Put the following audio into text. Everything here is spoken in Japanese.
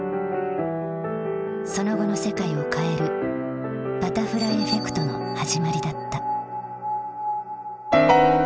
その後の世界を変える「バタフライエフェクト」の始まりだった。